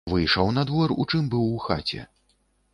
Выйшаў на двор у чым быў у хаце.